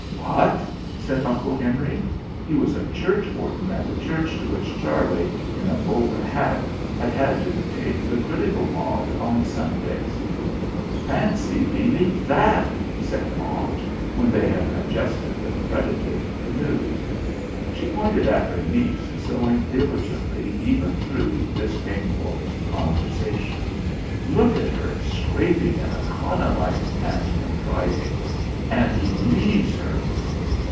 "What!" said Uncle Henry. He was a churchwarden at the church to which Charlie, in a bowler hat, had had to take the critical Maud on Sundays. "Fancy leaving that!" said Aunt, when they had digested and credited the news. She pointed at her niece sewing diligently even through this painful conversation. "Look at her scraping and economising and contriving. And he leaves her!"